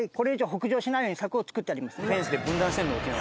フェンスで分断してんだ沖縄。